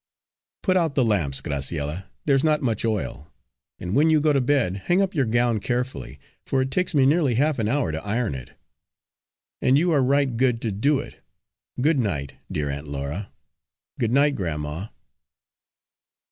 "Put out the lamps, Graciella there's not much oil and when you go to bed hang up your gown carefully, for it takes me nearly half an hour to iron it." "And you are right good to do it! Good night, dear Aunt Laura! Good night, grandma!"